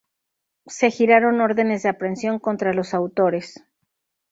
Se giraron órdenes de aprehensión contra los autores.